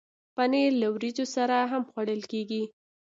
پنېر له وریجو سره هم خوړل کېږي.